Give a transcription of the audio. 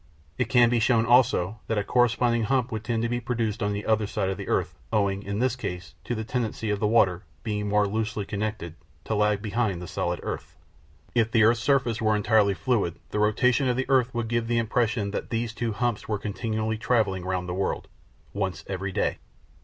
It can be shown also that a corresponding hump would tend to be produced on the other side of the earth, owing, in this case, to the tendency of the water, being more loosely connected, to lag behind the solid earth. If the earth's surface were entirely fluid the rotation of the earth would give the impression that these two humps were continually travelling round the world, once every day.